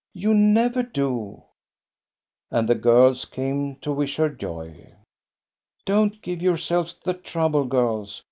You never do !" And the girls came to wish her joy. " Don't give yourselves the trouble, girls.